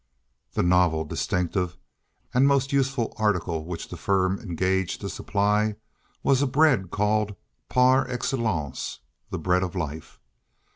The novel, distinctive, and most useful article which the Firm engaged to supply was a bread called par excellence the Bread of Life.